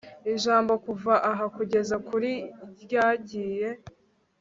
Ijambo kuva aha kugeza kuri ryagiye